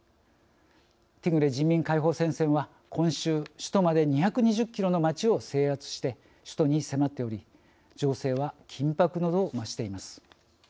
ティグレ人民解放戦線は今週、首都まで２２０キロの町を制圧して首都に迫っており情勢は緊迫の度を増しています。